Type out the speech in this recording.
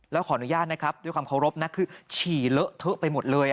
แล้วขออนุญาตนะครับด้วยความเคารพนะคือฉี่เลอะเทอะไปหมดเลย